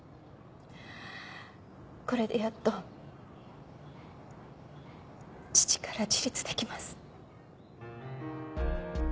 これでやっと父から自立出来ます。